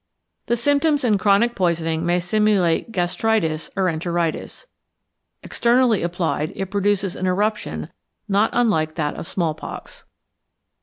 The symptoms in chronic poisoning may simulate gastritis or enteritis. Externally applied, it produces an eruption not unlike that of smallpox.